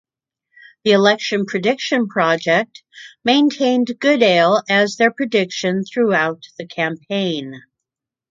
The Election Prediction Project maintained Goodale as their prediction throughout the campaign.